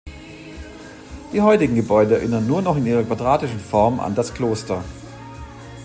Die heutigen Gebäude erinnern nur noch in ihrer quadratischen Form an das Kloster.